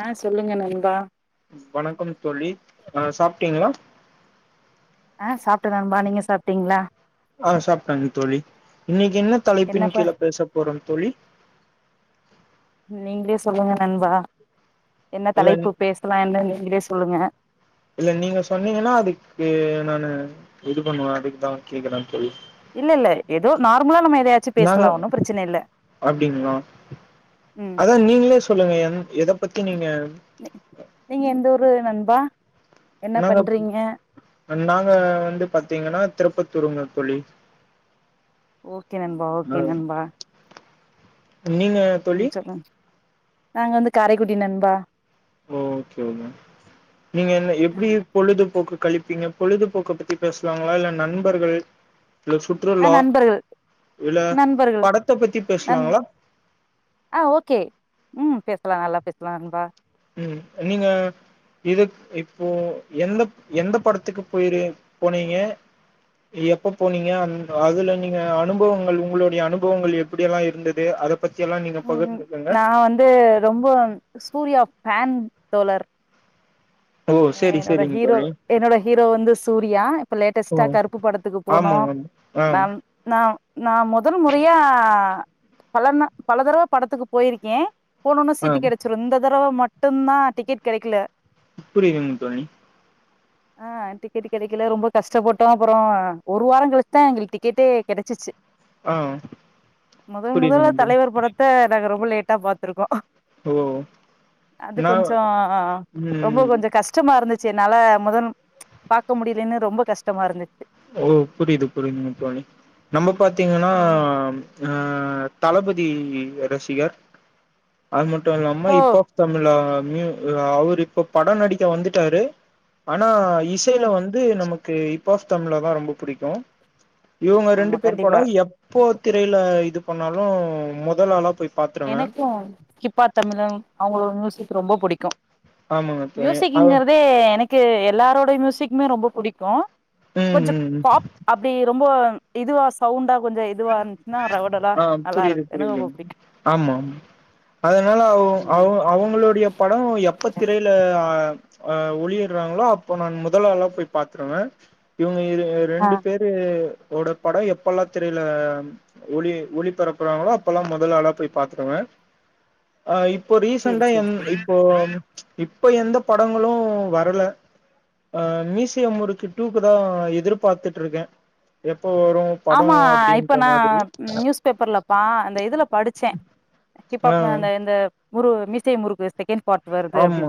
ஆ சொல்லுங்க நண்பா வணக்கம் தோழி ஆ சாப்ட்டீங்ளா ஆ சாப்ட்ட நண்பா நீங்க சாப்ட்டீங்ளா ஆ சாப்ட்டாங் தோழி நீங் என்ன தலைப்பின் என்னப்ப கீழ பேச போறோம் தோழி நீங்ளே சொல்லுங்க நண்பா என்ன இல்ல தலைப்பு பேஸ்லான்னு நீங்குளே ஸ் சொல்லுங்க இல்லா நீங்க சொன்னீங்கனா அதுக்கு நானு இது பண்ணுவே அதுக்குதா கேக்குற இல்லெல்லே எதோ நார்முலா நம்ம எதயாச்சி நாங்க பேசுலா ஒண்ணோ பிரச்சின இல்லா அப்டிங்களா ம் அதா நீங்களே சொல்லுங்க என் எத பத்தி நீங்க நீங்க எந்த ஊரு நண்பா என்ன நாங்க பண்றீங்க அண்ட் நாங்க வந்து பாத்தீங்கனா திருப்பத் தூருங்க தோழி ஓகே நண்பா ஓகே ஆ நண்பா நீங்க தோழி ம் சொல்லுங்க நாங்க வந்து காரைக்குடி நண்பா ஓகேயுமா நீங்க என்னா எப்டி பொழுதுபோக்கு கழிப்பீங்க பொழுதுபோக்க பத்தி பேஸ்லாங்ளா இல்ல நண்பர்கள் இல்ல ஆ சுற்றுலா நண்பர்கள் இதுல நண்பர்கள் படத்த பத்தி நண் பேசலாங்களா ஆ ஓகே ம் பேசு லா நல்லா பேஸ்லா நண்பா ம் நீங்கா இதுக் இப்போ எந்த எந்தப் படத்துக்கு போயிரு போனீங்க எப்போ போனீங்கா அந் அதுல நீங்கா அனுபவுங்கள் உங்குளோடைய அனுபுவங்கள் எப்பிடியெல்லா இருந்தது அத பத்தி எல்லா நீங்க ம் பகிர்ந்துக்கங்க நா வந்து ரொம்போ அம் சூர்யா ஃபேன் தோழர் ஓ ஏஹ் செரி என்னோட செரிங்க ஹீரோ தோழி என்னோட ஹீரோ வந்து சூர் சூர்யா இப்ப லேட்டஸ்ட்டா ஓ கருப்பு படத்துக்கு போனோ ஆமாங்க ஆ மேம் நா நா மொத முறயா பலன பல தடவ படத்துக்கு போயிருக்கே போனோன்ன ஆ சீட்டு கெடச்சிறு இந்த தடவ மட் மட்டும்தா டிக்கெட் கெடக்கல புரியுதுங்க தோழி ஆஹ் டிக்கெட் கெடக்கல ரொம்ப கஷ்டப்பட்டோ அப்பறோ ஒரு வார கழிச்சுதா எங்கள்க்கு டிக்கெட்டே கெடச்சிச்சு ஆ மொத மொதலா புரியுதுங்க தோழி தலைவர் படத்த நாங்க ரெம் ரொம்ப லேட்டா பாத்துருக்கோ ஓ அது நா கொஞ்சோ ரொம்ப ம் கொஞ்சோ கஷ்டமா இருந்துச் னால முதல் பாக்க முடியலன்னு ரொம்ப கஷ்டமா இருந்துச்சு ஓ புரியுது புரியுதுங்க தோழி நம்ம பாத்தீங்கனா ம் அஹ் தளபதி ரசிகர் அது மட்டு நம்ம ஓ ஹிப்பாப் தமிழா ம் அவர் இப்ப பட நடிக்க வந்துட்டாரு ஆனா இசையில ம் வந்து நமக் [unintelligible] தமிழாதா ரொம்ப புடிக்கு இவங்க ரெண்டு ஆமா பேர் பட கண்டிப்பா எப்போ திரையில இது பண்ணாலு மொதலாளா போய் பாத்துருவே எனக்கு ஹிப்பாப் தமிழா அவங்களோட முவி க்கு ரொம்ப புடிக்கு ஆமாங்க தோழி அ மியூசிக்ங்றதே எனக்கு [unintelligible] எல்லாரோட மியூசிக்மே ரொம்ப புடிக்கு ம் கொஞ்ச ம் ம். பாப் அப்டி ரொம்ப இதுவா சவுண்டா கொஞ்சோ இதுவா இருந்ச்சுன்னா ரவுடெலா ஆ நல்லா புரியுது இருக் எனக் ரொம்ப புரியுதுங் பிடிக்கு ஆமா ஆமா அதனால அவோ அவ் ம் அவொங்களுடைய பட எப்ப திரயில ஆ ஒளியிடுறாங்களோ அப்போ நா முதலாள போய் பார்த்திருவே இவங்க அ இது ஆ ரெண்டு பேரு ரோட பட எப்பெல்லா திரையில் ல ஒளி ஒளிபரப்புறாங்களோ அப்பல்லா முதல் ஆளா போய் பாத்துருவ அஹ் இப் போ சேரி ரீசன்டா சேரி எந் சேரி இப்போ இப்ப எந்த படங்களு வரல அஹ் மீசிய முருக்கு டூக்கு தா எதிர்பாத்துட்டுருக்க எப் எப்போ வரு படோ ஆமா இப்ப நா நியூஸ் பேப்பர்லப்பா அந்த இதுல படிச்சே ஹிப் ஆ ஹாப் அந்த இந்த முரு மீசைய முருக்கு செகண் ஆமா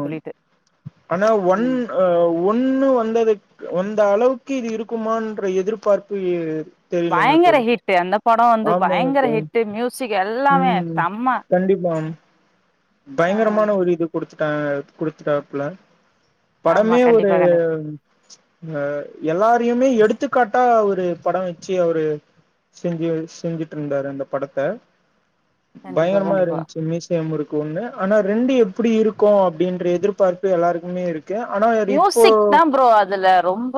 ஆனா ஒன் ம் அஹ் ஒன்னு வந்ததுக்கு ஒன் இந்த அளவுக்கு இது இருக்குமான்ற எதிர்பார்ப்பு இரு பயங்கர ஹிட்டு அந்த படோ வந்து ஆமாங்க பயங்கர தோழி ஹிட்டு மியூசிக் எல்லாமே ம் தம்ம கண்டிப்பா பயங்கரமான ஒரு இதுக் குடுத்துட்டா குடுத்துட்டாப்புல ஆமா படமே ஒரு கண்டிப்பா கண்டிப் அஹ் எல்லாரையுமே எடுத்துக் க்காட்டா அவரு படோ வச்சி அவரு செஞ்சி செஞ்சிட்டுருந்தாரு அந்த படத்த கண்டிப்பா பயங்கரமா கண்டிப்பா இருந்ச்சி மீசய முருக் கு ஒன்னு ஆனா ரெண்டு எப்புடி இருக்கு அப் பிடின்ற எதிர்பார்ப்பு எல்லாருக் குமே இருக் மியூசிக் தா ப்ரோ அதுல ரொம்ப